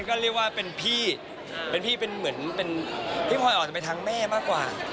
ก็เรียกว่าเป็นพี่เป็นพี่เป็นเหมือนเป็นพี่พลอยออกจะไปทางแม่มากกว่า